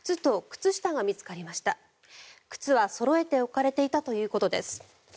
靴はそろえて置かれていたということです。